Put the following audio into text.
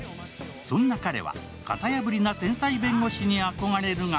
そんな彼は型破りな天才弁護士に憧れるが